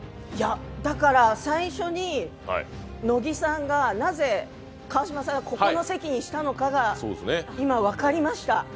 だから最初に、乃木さんがなぜ川島さんがここの席にしたのかが今、分かりました